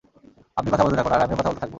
আপনি কথা বলতে থাকুন, আর আমিও কথা বলতে থাকব।